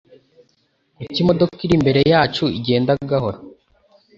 Kuki imodoka iri imbere yacu igenda gahoro?